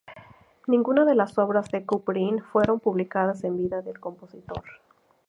Ninguna de las obras de Couperin fueron publicadas en vida del compositor.